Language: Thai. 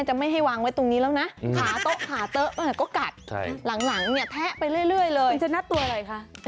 ก็ใส่ลองเท้าลักเรียนไปเลยใช่